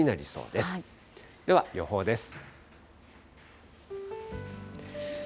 では予報です。